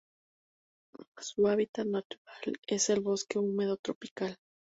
Su hábitat natural es el bosque húmedo tropical.